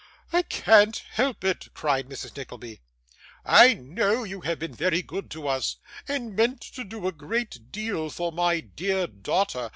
'I can't help it,' cried Mrs. Nickleby. 'I know you have been very good to us, and meant to do a good deal for my dear daughter.